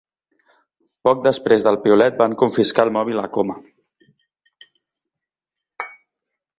Poc després del piulet van confiscar el mòbil a Coma